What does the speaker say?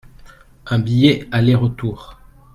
Un billet aller-retour.